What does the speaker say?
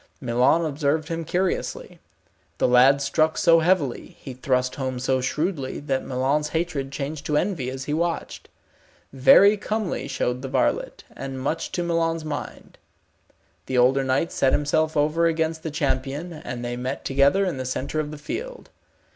Milon observed him curiously. The lad struck so heavily, he thrust home so shrewdly, that Milon's hatred changed to envy as he watched. Very comely showed the varlet, and much to Milon's mind. The older knight set himself over against the champion, and they met together in the centre of the field.